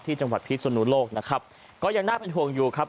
จังหวัดพิศนุโลกนะครับก็ยังน่าเป็นห่วงอยู่ครับ